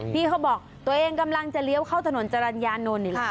พี่เขาบอกตัวเองกำลังจะเลี้ยวเข้าถนนจรัญญานนท์